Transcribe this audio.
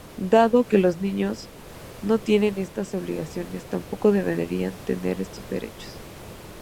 Dado que los niños no tienen estas obligaciones, tampoco deberían tener estos derechos.